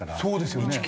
そうですよね。